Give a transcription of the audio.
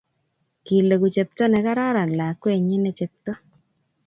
kileku chepto ne kararan lakwenyin ne chepto